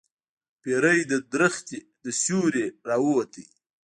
پیری د درخت له سوری نه راووت.